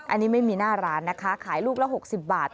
อันนี้ไม่มีหน้าร้านนะคะขายลูกละ๖๐บาท